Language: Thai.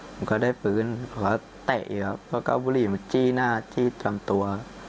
ผมก็ได้ฝืนเขาก็เตะอีกครับเขาก็บุหรี่มาจี้หน้าจี้จำตัว